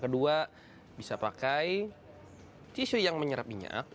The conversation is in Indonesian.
kedua bisa pakai tisu yang menyerap minyak